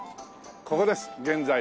ここです現在。